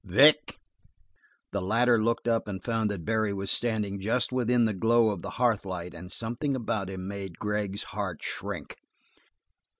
"Vic!" The latter looked up and found that Barry was standing just within the glow of the hearth light and something about him made Gregg's heart shrink.